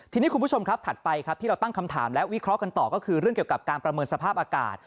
ทีนี้คุณผู้ชมครับถัดไปครับที่เราตั้งคำถามและวิเคราะห์กันต่อก็คือเรื่องเกี่ยวกับการประเมินสภาพอากาศ